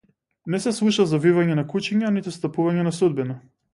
Не се слуша завивање на кучиња ниту стапување на судбина.